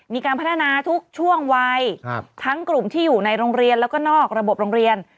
มีการพัฒนาทุกช่วงวัยทั้งกลุ่มที่อยู่ในโรงเรียนแล้วก็นอกระบบโรงเรียน